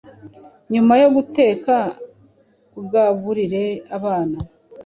Nyuma yo guteka ugaburire abana